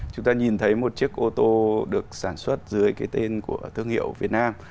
chúng ta nhìn thấy một chiếc ô tô được sản xuất dưới cái tên của thương hiệu việt nam